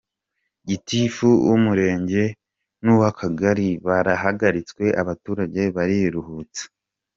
Gitifu w’Umurenge n’uw’Akagari barahagaritswe, abaturage bariruhutsa.